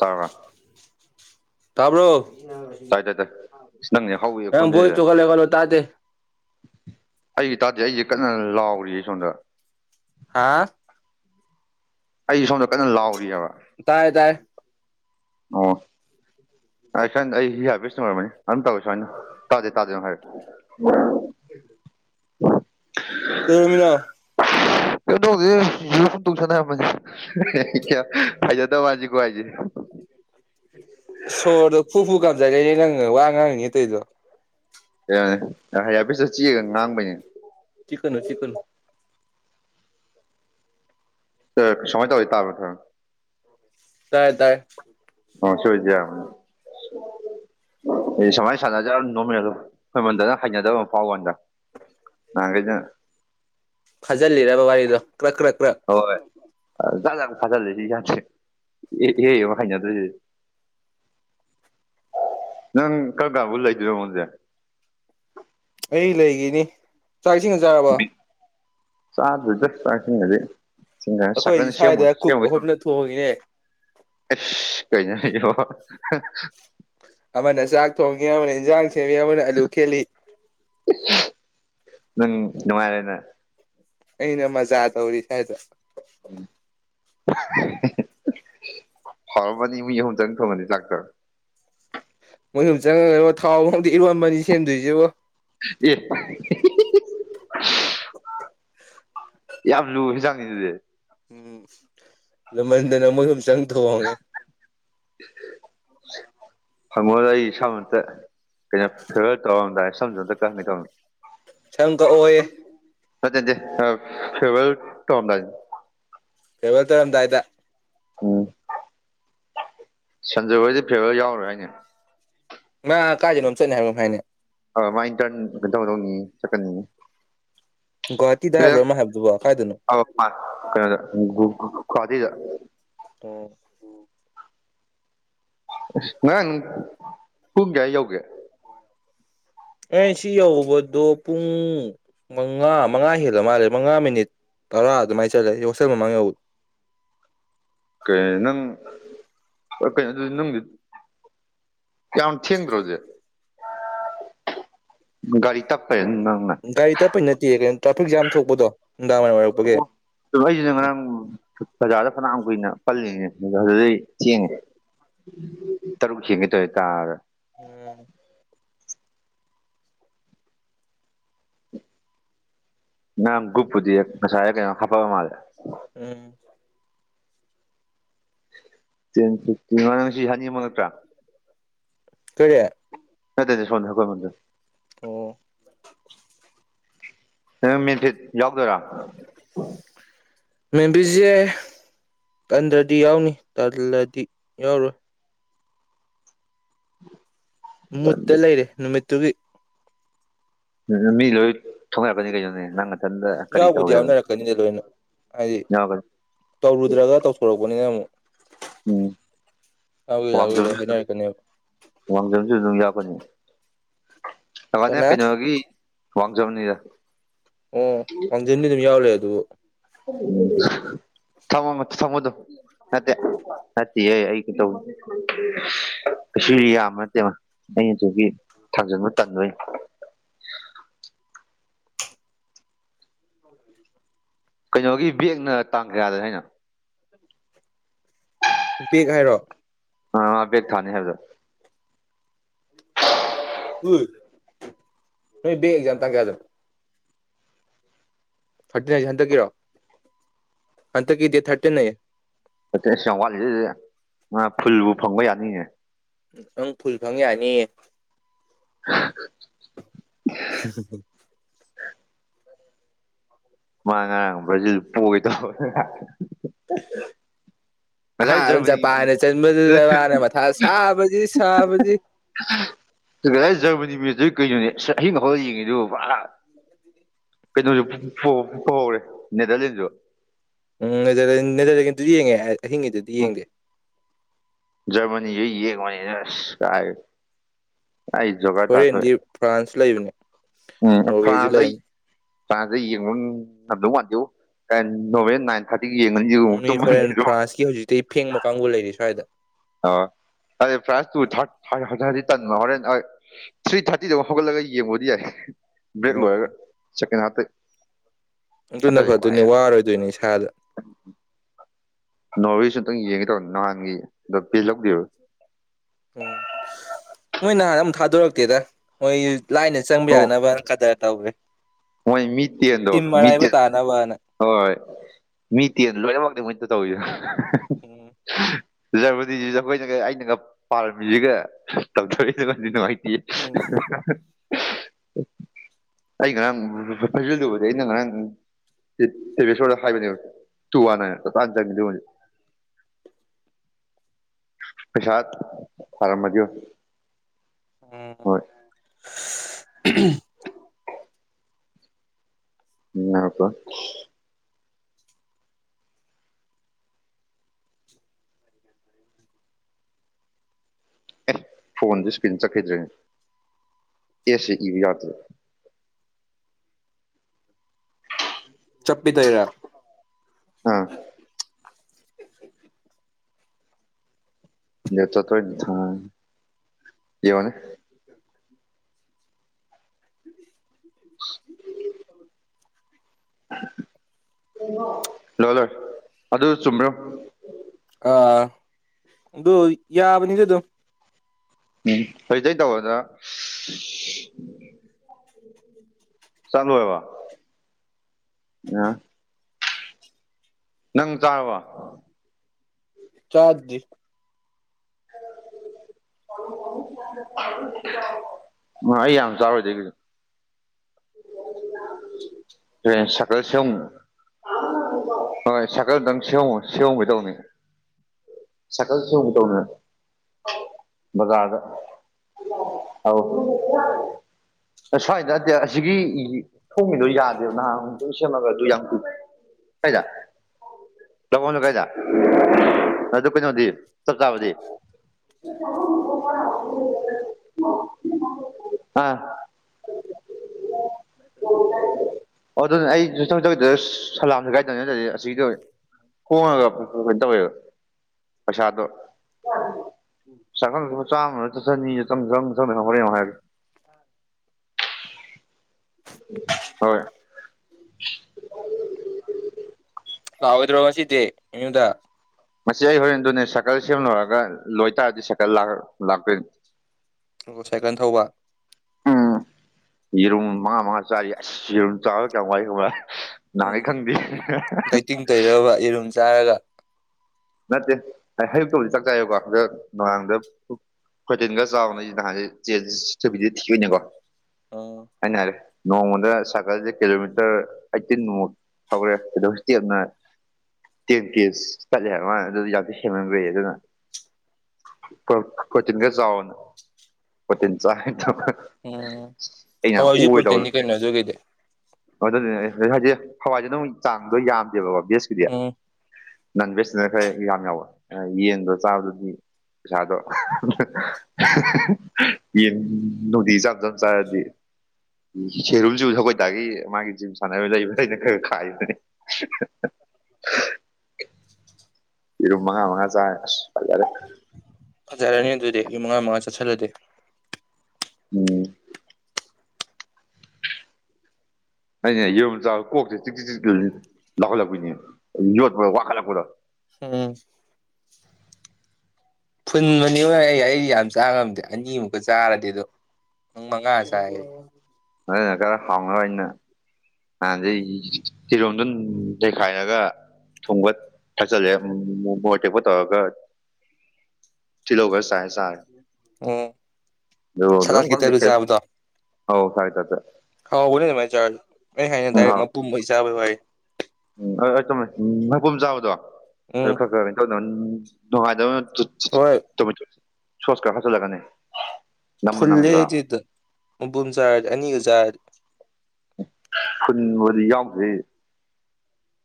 ꯇꯥꯉ ꯇꯥꯕ꯭ꯔꯣ ꯇꯥꯏ ꯑꯁ ꯅꯪꯅꯦ ꯍꯧꯋꯦ ꯑ ꯣꯁ ꯈꯣꯟꯖꯦꯜꯁꯦ ꯇꯨ ꯀꯂ ꯀꯂꯣ ꯇꯥꯇ ꯑꯩꯒꯤ ꯇꯥꯗꯦ ꯑꯩꯁꯦ ꯀꯟꯅ ꯂꯥꯎꯔꯤ ꯁꯣꯝꯗ ꯍꯥꯥ ꯑꯩ ꯁꯣꯝꯗ ꯀꯖꯟꯅ ꯂꯥꯎꯔꯤꯑꯕ ꯇꯥꯔꯦ ꯇꯥꯔꯦ ꯑꯣ ꯁꯥꯏ ꯑꯩ ꯍꯤ ꯍꯥꯏ ꯕꯤꯁꯅ ꯑꯣꯏꯔꯝꯃꯅꯤ ꯑꯗꯨꯝ ꯇꯧꯋꯦ ꯁꯨꯃꯥꯏꯅ ꯇꯥꯖꯦ ꯇꯥꯗꯦꯅ ꯍꯥꯏꯔ [inaudible] ꯀꯃꯤꯅꯣ ꯀꯗꯧꯁꯦ ꯍꯨꯟꯗꯣꯛꯁꯅꯔꯝꯃꯁꯦ ꯐꯩꯖꯗꯕ ꯍꯥꯏꯁꯤꯀꯣ ꯍꯥꯏꯁꯦ ꯎ ꯁꯣꯔꯗꯣ ꯐꯨ ꯐꯨ ꯀꯥꯝꯖꯥꯏ ꯂꯩꯅꯦ ꯅꯪ ꯋꯥ ꯉꯥꯡꯉꯉ ꯑꯇꯩꯗꯣ ꯑꯦꯅꯦ ꯍꯌꯥꯄꯤꯤꯁ ꯆꯦꯑꯒ ꯉꯥꯡꯕꯩꯅꯦ ꯆꯤꯛꯀꯅꯨ ꯆꯤꯛꯀꯅꯨ ꯁꯥꯏ ꯇ ꯑꯣꯏ ꯇꯥꯕꯊ ꯇꯥꯏꯌꯦ ꯇꯥꯏ ꯑꯣꯁꯗ ꯁꯃꯥꯏ ꯁꯥꯟꯅꯖ ꯅꯣꯡꯃ ꯑꯩꯃꯟꯗꯅ ꯍꯩꯅꯗꯕ ꯃꯄꯥꯎ ꯀꯥꯟꯗ ꯉ ꯀꯖ ꯐꯥꯖꯤꯜꯂꯤꯔꯕ ꯋꯥꯔꯤꯗꯣ ꯀ꯭ꯔꯛ ꯀ꯭ꯔ ꯀ꯭ꯔ ꯥꯂꯒ ꯐꯥꯖꯠ ꯂꯩꯁꯤ ꯌꯥꯦ ꯍꯦ ꯃꯈꯩꯅ ꯑꯗꯨ ꯅꯪ ꯀꯜꯒ ꯎꯜꯂꯥꯏꯗꯣ ꯃꯗꯦ ꯀ ꯂꯩꯈꯤꯅꯤ ꯆꯥꯛ ꯏꯁꯤꯡꯒ ꯆꯥꯔꯕ ꯆꯁ ꯑꯩꯈꯣꯏ ꯆꯗꯤ ꯁ꯭ꯋꯥꯏꯗ ꯀꯨꯛ ꯑꯍꯨꯝꯅ ꯊꯣꯡꯉꯤꯅꯦ ꯁꯀ ꯑ ꯀꯅ ꯑꯃꯅ ꯆꯥꯛ ꯊꯣꯡꯉꯤ ꯑꯃꯅ ꯏꯟꯁꯥꯡ ꯊ ꯁꯦꯝꯉ ꯑꯃꯅ ꯑꯂꯨ ꯈꯦꯠꯂꯤ ꯎꯪ ꯅꯨꯡꯉꯥꯏꯔꯦꯅꯦ ꯑꯩꯅ ꯃꯖꯥ ꯇꯧꯔꯤ ꯍꯥꯏꯥꯏꯗ ꯎ ꯍꯥꯎꯔꯃꯅꯤ ꯃꯤ ꯑꯍꯨꯝ ꯆꯪ ꯊꯣꯡꯉꯗꯤ ꯂꯥꯛꯇꯔ ꯃꯣꯏ ꯁꯨꯝ ꯆꯪꯉꯒꯕ ꯊꯥꯎ ꯐꯗꯤ ꯏꯔꯣꯟꯕꯅꯤ ꯁꯦꯝꯗꯣꯏꯁꯤꯕ ꯑꯦ [unintelligible] ꯌꯥꯝ ꯂꯨ ꯍꯦꯟꯖꯥꯡꯅꯤ ꯑꯗꯨꯗꯤ ꯎꯝ ꯂꯃꯟꯗꯅ ꯑꯃꯨꯛ ꯑꯗꯨꯝ ꯆꯪꯊꯣꯛꯍꯣꯡꯒꯦ ꯍꯪꯉꯣꯗ ꯑꯩ ꯏꯁꯥꯃꯇ ꯀꯩꯅꯣ ꯐꯦꯚꯔ ꯇꯧꯔꯝꯗꯥꯏ ꯖꯣ ꯀꯅꯤ ꯀꯃ ꯁꯪ ꯀ ꯑꯣꯏꯌꯦ ꯐꯦ ꯇ ꯀꯩꯕꯜ ꯇꯔꯝ ꯇꯥꯏꯗ ꯎꯝ ꯁꯟꯖꯣꯏ ꯍꯣꯏꯗꯤ ꯐꯦꯕꯔ ꯌꯥꯎꯔꯣꯏ ꯍꯥꯏꯅꯤ ꯃꯥ ꯀꯥꯖꯤꯅꯁ ꯍꯥꯏ ꯍꯥꯏꯅꯦ ꯑ ꯃꯥꯏꯟꯇꯔꯟ ꯀ ꯇꯧꯗꯧꯅꯤ ꯆꯠꯀꯟꯅꯤꯡꯉꯤ ꯒꯨꯍꯥꯇꯤꯗ ꯍꯥꯏꯕ꯭ꯔꯥ ꯑꯃ ꯍꯥꯏꯕꯗꯨꯕꯣ ꯀꯥꯏꯗꯅꯣ ꯃꯥ ꯀꯩꯅꯣꯗ ꯈꯋꯥꯗ ꯎꯝ ꯉꯔꯥꯡ ꯄꯨꯡ ꯀꯌꯥꯏ ꯌꯧꯒꯦ ꯑꯦ ꯁꯤ ꯌꯧꯕꯗꯣ ꯄꯨꯡ ꯃꯉꯥ ꯃꯉꯥ ꯍꯦꯜꯂ ꯃꯥꯜꯂꯦ ꯃꯉꯥ ꯃꯤꯅꯤꯠ ꯇꯔꯥ ꯑꯗꯨꯃꯥꯏ ꯆꯠꯂꯦ ꯑꯩ ꯋꯥꯣꯁꯦꯜ ꯃꯃꯥꯡ ꯌꯧ ꯀꯩ ꯅꯪ ꯑꯗꯨꯗꯤ ꯅꯪꯗꯤ ꯀꯦꯃꯣ ꯊꯦꯡꯦꯟ꯭ꯔꯣꯖꯦ ꯒꯥꯔꯤ ꯇꯞꯄꯥꯏ ꯒꯥꯔꯤ ꯇꯠꯄꯩ ꯅꯠꯇꯦ ꯀꯩꯅꯣ ꯇ꯭ꯔꯥꯐꯤꯛ ꯖꯥꯝ ꯊꯣꯛꯄꯗꯣ ꯅꯨꯡꯗꯥꯡ ꯋꯥꯏꯔꯝ ꯑꯣꯏꯔꯛꯄꯒꯤ ꯑꯣꯁꯤꯅ ꯉꯔꯥꯡ ꯖꯥꯗ ꯐꯅ ꯑꯩꯈꯣꯏꯅ ꯄꯜꯂꯤꯅꯦ ꯑꯗꯨꯗꯩ ꯊꯦꯡꯉꯦ ꯇꯔꯨꯛ ꯊꯦꯡꯒꯦ ꯇꯧꯔꯦ ꯀꯥꯔ ꯑꯝ ꯅꯒꯨꯨꯞꯄꯗꯤ ꯉꯁꯥꯏ ꯀ ꯍꯥꯄ ꯃꯥꯔꯦ ꯎꯝ ꯃ ꯁꯤ ꯍ ꯌꯦ ꯃꯣꯟ꯭ꯔ ꯀꯔꯤꯌꯥ ꯑꯗꯗꯦ ꯁꯣꯝꯗ ꯍꯀꯣꯏ ꯃꯗꯨ ꯑꯣ ꯎꯝ ꯃꯤꯁꯤꯠ ꯌꯎꯕꯗꯔꯥ ꯃꯕꯤꯁꯤꯦ ꯇꯟꯗ꯭ꯔꯗꯤ ꯌꯥꯎꯅꯤ ꯇꯜꯂꯗꯤ ꯌꯥꯎꯔꯣꯏ ꯃꯨꯠꯇ ꯂꯩꯔꯦ ꯅꯨꯃꯤꯠꯇꯨꯒꯤ ꯎꯝ ꯃꯤ ꯂꯣꯏ ꯊꯨꯒꯥꯏꯕꯥꯅꯤꯅꯦ ꯀꯩꯅꯣ ꯅꯪꯅ ꯌꯥꯎꯕꯨꯗꯤ ꯌꯥꯎꯅꯔꯛꯀꯅꯤꯗ ꯂꯣꯏꯅ ꯍꯥꯏꯗꯤ ꯌꯥꯎꯔꯛꯀꯅꯤ ꯇꯧꯔꯨꯗ꯭ꯔꯒ ꯇꯧꯊꯣꯔꯛꯄꯅꯤꯅ ꯑꯃꯨꯛ ꯎꯝ ꯌꯥꯎꯒꯦ ꯌꯥꯎꯒꯦ ꯂꯣꯏ ꯋꯥꯡꯖꯣꯝꯁꯨ ꯑꯗꯨꯝ ꯍꯥꯏꯅꯔꯛꯀꯅꯦꯕ ꯋꯥꯡꯖꯣꯝꯁꯨ ꯑꯗꯨꯝ ꯌꯥꯄꯅꯤ ꯑꯅꯦ ꯀꯅꯥ ꯀꯩꯅꯣꯒꯤ ꯋꯥꯡꯖꯕꯅꯤꯗ [unintelligible] ꯑꯣ ꯋꯥꯡꯖꯟꯕꯤ ꯑꯗꯨꯝ ꯌꯥꯎꯂꯦ ꯑꯗꯨꯕꯨ ꯊꯃꯣ ꯎꯝ ꯊꯝꯃꯣ ꯑꯗꯨꯝ ꯃꯦ ꯑꯠꯇꯦ ꯇ ꯁꯤꯔꯤꯌꯥ ꯃꯦ ꯃꯥ [unintelligible] ꯑꯩ ꯑꯗꯨꯒꯤ ꯊꯥꯡꯖꯟꯕ ꯇꯟꯗꯣꯏ ꯀꯩꯅꯣꯒꯤ ꯕꯦꯡꯅ ꯇꯥꯡ ꯀꯌꯥꯗꯅꯦ ꯍꯥꯏꯅꯣ ꯕꯦꯛ ꯍꯥꯏꯔꯣ ꯑꯕꯦꯒ ꯊꯥꯅꯤ ꯍꯥꯏꯕꯗ [unintelligible] ꯎ ꯅꯣꯏ ꯕꯥꯛ ꯑꯦꯖꯝ ꯗꯇꯦ ꯀꯌꯗꯅꯣ ꯊꯥꯔꯇꯤꯟ ꯍꯥꯏꯁꯦ ꯍꯟꯗꯛꯀꯤꯔꯣ ꯍꯟꯗꯛꯀꯤ ꯗꯦꯠ ꯊꯥꯔꯇꯤꯟ ꯅꯌꯦ ꯐ ꯑꯁ ꯌꯥꯝ ꯋꯥꯠꯂꯤꯗꯦ ꯃꯥ ꯐꯨꯜꯕꯨ ꯐꯪꯕ ꯌꯥꯅꯤꯅꯦ [unintelligible] ꯅꯪ ꯐꯨꯜ ꯐꯪ ꯌꯥꯅꯤꯌꯦ [inaudible] [inaudible] ꯎꯝꯝ ꯎꯝ [unintelligible] ꯃꯥ ꯉꯔꯥꯡꯕ꯭ꯔꯖꯤꯁꯨ ꯄꯒꯣꯏꯗꯧ ꯍꯥ ꯖꯄꯥꯟꯅ ꯆꯟꯕꯗꯨꯗ ꯃꯥꯅ ꯃꯊꯥ ꯁꯥꯕꯁꯤ ꯁꯥꯕꯁꯤ ꯉꯥꯗꯥꯏ ꯖꯔꯃꯅꯤ ꯃꯥꯠꯆ ꯀꯩꯅꯣꯅꯦ ꯑꯁ ꯆꯍꯤ ꯃꯈꯥꯎ ꯌꯦꯡꯉꯤꯗꯨ ꯀꯩꯅꯣꯁꯨ ꯐꯍꯧꯔꯦ ꯅꯦꯗꯔꯂꯦꯟꯁꯨ ꯎꯝ ꯅꯦꯥꯗꯦꯔꯂꯥꯟꯗ ꯑꯗꯨꯗꯤ ꯌꯦꯡꯉꯦ ꯑꯍꯤꯡꯒꯤꯗꯨꯗꯤ ꯌꯦꯡꯗꯦ ꯖꯔꯃꯅꯤ ꯑꯩ ꯌꯦꯂꯣꯏ ꯀꯥꯏꯗꯩꯩ ꯑꯩꯖꯒꯔ ꯍꯣꯔꯦꯟꯗꯤ ꯇꯥꯔꯒꯥ ꯐ꯭ꯔꯥꯟꯁ ꯂꯩꯕꯅꯦ ꯇꯣꯛꯑꯥ ꯎꯝ ꯅꯣꯔꯋꯦꯁꯨ ꯐ꯭ꯔꯥꯟꯁ ꯑꯩ ꯂꯩꯕꯅꯦ ꯐꯔꯥꯟꯁ ꯌꯦꯡꯕ ꯉꯝꯗꯧ ꯃꯥꯟꯗꯦꯕꯣ ꯀꯥꯏꯗꯒꯤ ꯅꯣꯡꯃꯗ ꯅꯥꯏꯟ ꯊꯥꯔꯇ ꯃꯤ ꯍꯣꯔꯦꯟ ꯐ꯭ꯔꯥꯟꯁꯀꯤ ꯍꯧꯖꯤꯛꯇꯤ ꯐꯦꯡꯕ ꯀꯥꯡꯕꯨ ꯂꯩꯔꯤ ꯁ꯭ꯋꯥꯏꯗ ꯑꯣ ꯑꯗ ꯄ꯭ꯔꯥꯏꯁ ꯇꯨ ꯊ ꯊꯥꯎ ꯇꯟꯕ ꯍꯣꯔꯦꯟ ꯊ꯭ꯔꯤ ꯊꯥꯔꯇꯤꯗꯕꯨ ꯍꯧꯒꯠꯂꯒ ꯌꯦꯡꯕꯕꯨꯗꯤ ꯌꯥꯏ [unintelligible] ꯕ꯭ꯔꯦꯛ ꯂꯣꯏꯔꯒ ꯎꯝ ꯁꯦꯀꯦꯟ ꯍꯥꯞꯇꯒꯤ ꯑꯗꯨꯅ ꯐꯠꯇꯣꯏꯅꯤ ꯋꯥꯔꯣꯏꯗꯣꯏꯅꯤ ꯏꯁꯥꯗ ꯅꯣꯁꯨ ꯑꯨꯇꯪ ꯌꯦꯡꯒꯦ ꯇꯧꯔ ꯅꯍꯥꯟꯒꯤ ꯑꯗꯣ ꯄꯦ ꯂꯧꯗꯔ ꯎꯝ ꯅꯣꯏ ꯅꯍꯥꯟ ꯑꯃ ꯊꯥꯗꯣꯔꯛꯇꯦꯗ ꯃꯣꯏ ꯂꯥꯏꯅ ꯆꯪꯕ ꯌꯥꯅꯕ ꯈꯗꯔ ꯇꯧꯈꯔꯔꯦ ꯍꯣꯏ ꯃꯤꯠꯇꯦꯟꯗꯎ ꯃꯤ ꯃꯤꯇꯩꯠꯇꯦꯟ ꯇꯥꯅꯕꯅ ꯍꯣꯏ ꯃꯤ ꯇꯦꯟ ꯂꯣꯏꯅꯃꯛꯇ ꯃꯣꯏꯗ ꯇꯧꯋꯨ ꯎꯝ ꯖꯔꯃꯅꯤꯅꯥ ꯑꯩꯈꯣꯏꯅꯒ ꯑꯩꯅꯒ ꯄꯥꯔꯝꯃꯤꯁꯤꯒ ꯇꯧꯗꯣꯔꯑꯦꯁꯤꯒ ꯌꯦ ꯎꯝ ꯑꯩ ꯉꯔꯥꯡ ꯐꯖꯤꯜꯂꯨꯕꯗꯤ ꯑꯩꯅ ꯉꯔꯥꯡ ꯁ ꯍꯥꯏꯕ ꯇꯨ ꯋꯥꯅ [unintelligible] ꯄꯩꯁꯥ ꯊꯔꯥꯃꯗꯤ ꯌꯦꯡ ꯑꯣ ꯎꯝ ꯎꯝ ꯑꯄꯣ [unintelligible] ꯑꯦ ꯐꯣꯟꯗꯨ ꯏꯁꯀ꯭ꯔꯤꯟ ꯆꯠꯈꯤꯗ꯭ꯔꯦꯅꯦ ꯑꯦꯁꯁꯦ ꯏꯕꯥ ꯌꯥꯗ ꯆꯞꯄꯤꯗ ꯌꯥꯝ ꯑꯥ ꯅꯇꯣ ꯌꯦ ꯋꯥꯣꯅꯦ ꯎꯝ ꯂꯣꯏ ꯂꯣꯏ ꯑꯗꯨ ꯆꯨꯝꯕ꯭ꯔꯣ ꯑꯥ ꯑꯗꯨ ꯌꯥꯕꯅꯤꯗꯤꯦ ꯑꯗꯨꯝ ꯎꯝ ꯍꯧꯖꯤꯗ ꯇꯧꯕꯗ ꯆꯂꯨ ꯑꯕ ꯑ ꯅꯪ ꯆꯥꯕ ꯆꯥꯗꯤ ꯑꯩ ꯌꯥꯝ ꯆꯥꯎꯥꯔꯣꯏꯗꯤ ꯀꯁꯨ [inaudible] ꯇꯦꯟ ꯁꯀꯜ ꯁꯤ ꯑꯃ ꯍꯣꯏ ꯁꯀꯜꯗꯪ ꯁꯦꯝꯨ ꯁꯦꯝꯍꯣꯡꯒꯗꯧꯅꯤ ꯁꯀꯜꯁꯨ ꯎ ꯇꯧꯅ ꯃꯒꯒ ꯍꯥꯎ ꯁ꯭ꯋꯥꯏꯗꯗꯤ ꯑꯁꯤꯒꯤ ꯊꯣꯡꯉꯗꯣ ꯌꯥꯗ ꯅꯍꯥꯟ ꯑꯗꯨꯝ ꯁꯦꯝꯃꯒ ꯑꯗꯨ ꯌꯥꯝ ꯇꯨꯏ ꯀꯗ ꯂ ꯀꯥꯏꯗ ꯑꯗꯨ ꯀꯩꯅꯣꯗꯤ ꯆꯞ ꯆꯥꯕꯗꯤ ꯑ [inaudible] ꯠꯇ ꯇ ꯑꯗꯨꯅ ꯑꯩ ꯁꯂꯥꯝꯁꯨ ꯀꯥꯏꯗꯕꯅꯤ ꯅꯠꯇꯗꯤ ꯑꯁꯤꯒꯤꯗ ꯍꯣꯡꯉꯒ ꯀꯩꯅ ꯇꯧꯋꯦꯕ ꯄꯁꯥ ꯑꯗꯣ ꯆꯀꯪ ꯆꯥꯝꯃꯗꯅ ꯍꯣꯔ ꯍꯥꯏꯔꯒꯦ ꯍꯣꯏ ꯥꯎꯗ꯭ꯔꯁꯤꯗꯦ ꯏ ꯊ ꯃꯁꯤ ꯑꯩ ꯍꯣꯔꯦꯟꯗꯨꯅꯦ ꯁꯥꯏꯀꯜ ꯁꯦꯝꯂꯨꯔꯒ ꯂꯣꯏꯇꯥꯔꯗꯤ ꯁꯥꯏꯀꯜ ꯂꯥꯛꯇꯣꯏꯅꯤ ꯑꯣ ꯁꯥꯏꯀꯜꯟ ꯊꯧꯕ ꯎꯝ ꯌꯦꯔꯨꯝ ꯃꯥ ꯃꯥꯥ ꯆꯔꯤ ꯏꯔꯨꯝ ꯆꯥ ꯀ ꯋꯥꯏꯨꯝꯕ ꯏ ꯎꯝ ꯈꯪꯗꯤ ꯗꯥꯏꯇꯤꯡ ꯇꯧꯔꯕ ꯌꯦꯔꯨꯝ ꯆꯥꯔꯒ ꯅꯠꯇꯦ ꯑꯌꯨꯛꯇꯕꯨꯗꯤ ꯆꯥꯛ ꯆꯥꯏꯌꯦꯀꯣ ꯑꯗ ꯅꯅꯨꯡꯍꯥꯡꯗ ꯍꯣꯏꯇꯤꯟꯒ ꯆꯥꯎꯅ ꯅꯍꯥꯟꯁ ꯆꯦꯟ ꯊꯨꯕꯤꯗꯤ ꯊꯤꯏꯅꯦꯀꯣ ꯎꯝ ꯍꯥꯏꯩꯅ ꯍꯥꯏꯔꯦ ꯅꯣꯡꯃꯗ ꯁꯥꯏꯀꯜꯁꯦ ꯀꯤꯂꯣꯃꯤꯇꯔ ꯑꯩꯠꯇꯤꯟꯃꯨꯛ ꯍꯧꯔꯦ ꯑ ꯍꯧꯖꯤꯛꯇ ꯌꯥꯝꯅꯔ ꯇꯤꯟ ꯇꯁ ꯆꯦ ꯍꯥꯏ ꯃꯥ ꯑꯗꯨ ꯌꯥꯦꯃ ꯑꯗꯨꯅ ꯄꯣꯆꯤꯟꯒꯎꯅ ꯄꯣꯆꯤꯟ ꯆ ꯎꯝ ꯍꯋꯥꯣꯏ ꯍꯧꯖꯤꯛ ꯄꯣꯜꯇꯤꯟꯅꯤ ꯀꯩꯅꯣꯗꯈꯩꯗꯤ ꯑꯗꯨ ꯍꯥꯏꯗꯤ ꯍꯋꯥꯏꯁꯦ ꯅꯝ ꯆꯥꯡꯗꯣ ꯌꯥꯝꯗꯦꯕ ꯚꯦꯖꯀꯤꯨꯗꯤ ꯎꯝ ꯅꯟ ꯚꯦꯖ ꯁꯤꯅ ꯈꯔ ꯌꯥꯝ ꯌꯥꯎꯋꯦ ꯌꯦꯟꯗ ꯆꯥꯕꯗꯨꯗꯤ ꯄꯩꯁꯥꯗꯣ ꯌꯦꯟ ꯅꯨꯡꯗꯤ ꯆꯥꯡ ꯆꯗꯤ ꯁꯦꯔꯨꯝꯁꯨ ꯊꯒꯣꯏꯇꯥꯒꯤ ꯃꯥꯒꯤ ꯖꯤꯝ ꯁꯥꯟꯅꯕ ꯂꯩꯕ ꯑꯩꯅ ꯈꯔ ꯈꯥꯏꯗꯅꯦ ꯏꯔꯨꯝ ꯃꯉꯥ ꯃꯉ ꯆ ꯐꯂꯔꯦ ꯐꯖꯔꯅꯤ ꯑꯗꯨꯗꯤ ꯑꯩꯨꯨꯝ ꯃꯉꯥ ꯃꯉꯥ ꯆꯠꯁꯜꯂꯗꯤ ꯎꯝ ꯑꯩꯅ ꯌꯦꯔꯨꯝ ꯆ ꯀꯣꯛꯁꯦ ꯆꯤꯛ ꯆꯤ ꯆꯤꯛ ꯂꯧꯥꯎꯈꯠꯂꯛꯄꯅꯦ ꯌꯣꯠꯄꯗ ꯋꯥꯈꯠꯂꯛꯄꯗꯣ ꯍꯝ ꯐꯨꯟ ꯃꯅꯤ ꯍ ꯑꯩ ꯑꯩꯗꯤ ꯌꯥꯝ ꯆꯥ ꯉꯝꯗꯦ ꯑꯅꯤꯃꯨꯛꯀ ꯆꯥꯔꯗꯤ ꯑꯗꯣ ꯎꯪ ꯃꯉꯁꯔꯦ ꯑꯗꯨ ꯀꯔ ꯍꯥꯎꯅꯅ ꯅꯥꯟꯩ ꯐꯤꯔꯣꯝꯗ ꯂꯩꯩꯈꯥꯏꯔꯒ ꯊꯨꯡꯕ ꯊꯥꯛꯆꯜꯂꯦ ꯃꯣꯔꯠ ꯇꯦꯛꯄ ꯇꯧꯔꯒ ꯊꯤꯂꯣꯒꯔ ꯁꯥꯥꯏ ꯁꯥꯔ ꯎꯝ ꯑ ꯁꯂꯥꯠꯀꯤ ꯐꯪ ꯇꯔꯨꯛ ꯍ ꯁꯥꯏ ꯇꯥꯏꯠꯇ ꯍꯥꯎ ꯍꯅꯦ ꯑꯗꯨꯃꯥꯏ ꯆꯥ ꯑꯩ ꯍꯥꯏꯅ ꯗꯥꯏꯔꯦꯛ ꯍꯥꯎꯋꯦ ꯃꯄꯨꯝꯕꯩ ꯆꯥꯕꯩ ꯋꯥ ꯎꯝ ꯍ ꯆꯝꯃꯦ ꯅꯪꯀꯝ ꯆꯥꯕꯗꯣ ꯑꯗꯨ ꯎꯝ ꯈꯔ ꯈꯔ ꯀꯩꯅꯅ ꯇꯧꯗꯅ ꯍꯣꯏ ꯅꯨꯡꯉꯥꯏꯕ ꯁꯁꯀꯥ ꯈꯆ ꯂꯒꯅꯤ ꯐꯨꯜꯂꯦꯗꯤꯗ ꯃꯕꯨꯖꯥꯔ ꯑꯅꯤꯖꯥꯠ ꯈꯨꯨꯟꯕꯨꯗꯤ ꯌꯥꯎꯗꯦ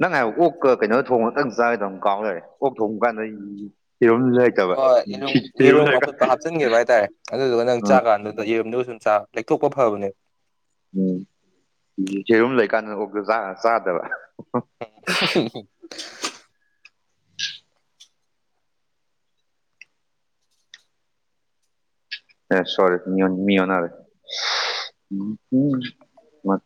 ꯅꯪ ꯍꯥꯏꯕ ꯑꯣꯛꯀ ꯀꯩꯅꯣ ꯊꯣꯡꯇꯪ ꯆꯥꯗ ꯀꯥꯎꯅꯔꯦ ꯑꯣꯛ ꯊꯣꯡꯕ ꯀꯥꯟꯗ ꯌꯦꯔꯨꯝ ꯂꯩꯇꯕ ꯍꯣꯏ ꯌꯦꯔꯨꯝ ꯌꯦꯔꯨꯝ ꯑꯐꯨꯠꯄ ꯍꯥꯞꯆꯤꯟꯒꯦꯕ ꯍꯥꯏꯇꯥꯔꯦ ꯑꯗꯨꯗꯨꯒ ꯅꯪ ꯑꯥ ꯆꯥꯛꯀꯥꯟꯗꯨꯗ ꯌꯦꯔꯨꯝꯗꯨ ꯎꯟ ꯂꯩꯊꯣꯛꯄ ꯐꯕꯅꯦ ꯎꯝ ꯁꯦꯔꯨꯝ ꯂꯩꯀꯥꯟꯗ ꯑꯣ ꯆꯥꯗꯕ [inaudible] ꯁꯔꯤꯐ ꯃꯤ ꯃꯤꯌꯅꯔꯦ ꯎ ꯎ ꯃꯠ